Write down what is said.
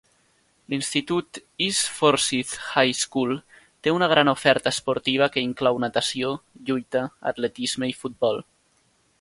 L'institut East Forsyth High School té una gran oferta esportiva que inclou natació, lluita, atletisme i futbol.